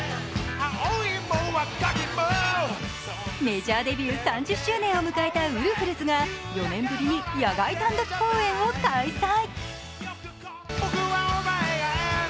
メジャーデビュー３０周年を迎えたウルフルズが４年ぶりに野外単独公演を開催。